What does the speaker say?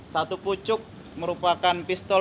satu pucuk merupakan pistol